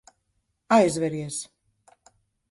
Aizveries.